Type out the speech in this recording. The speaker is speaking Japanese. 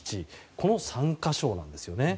この３か所なんですね。